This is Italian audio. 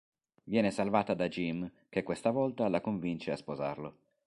Viene salvata da Jim che, questa volta, la convince a sposarlo.